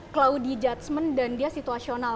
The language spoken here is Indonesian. clouddi judgement dan dia situasional